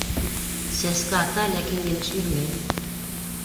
Сәскә ата, ләкин емеш бирмәй.